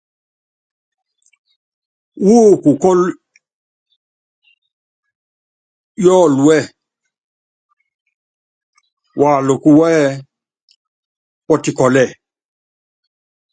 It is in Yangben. Wú kukɔ́lɔ Yɔɔlúɛ́, waluka wú ɛ́ɛ́ Pɔtikɔ́lɛ.